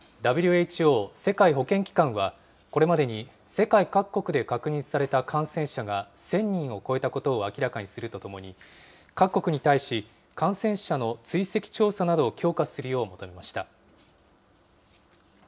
ＷＨＯ・世界保健機関はこれまでに、世界各国で確認された感染者が、１０００人を超えたことを明らかにするとともに、各国に対し、感染者の追跡調査などを強化するよう求めました。